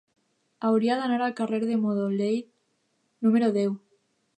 Hauria d'anar al carrer de Modolell número deu.